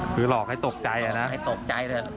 คือหลอกให้ตกใจอ่ะนะหลอกให้ตกใจเลย